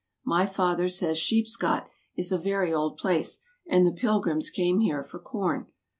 My father says Sheepscott is a very old place, and the Pilgrims came here for corn.